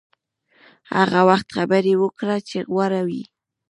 هغه وخت خبرې وکړه چې غوره وي.